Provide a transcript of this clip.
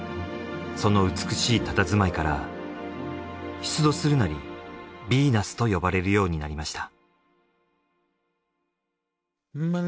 その美しいたたずまいから出土するなりビーナスと呼ばれるようになりました。